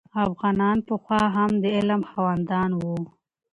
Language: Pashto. افغانان پخوا هم د علم خاوندان وو.